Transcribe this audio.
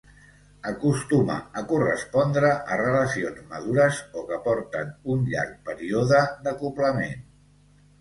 Acostuma a correspondre a relacions madures o que porten un llarg període d'acoblament.